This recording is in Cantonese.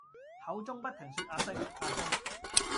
口中不停說「阿星」「阿星」！